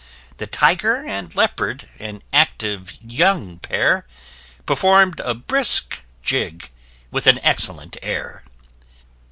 The Tiger and Leopard, an active young pair, Perform'd a brisk jig, with an excellent air.